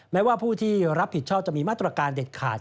แม้ว่าผู้ที่รับผิดชอบจะมีมาตรการเด็ดขาด